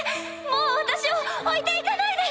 もう私を置いて行かないで！